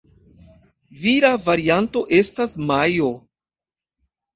Vira varianto estas "Majo".